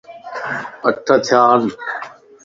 اَٺ ٿيا ان